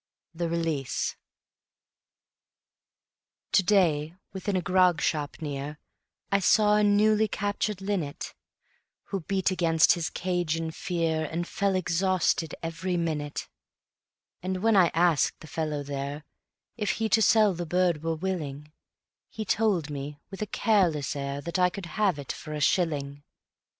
The Release To day within a grog shop near I saw a newly captured linnet, Who beat against his cage in fear, And fell exhausted every minute; And when I asked the fellow there If he to sell the bird were willing, He told me with a careless air That I could have it for a shilling.